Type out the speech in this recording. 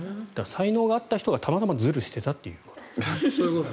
才能があった人がたまたまずるしていたということ。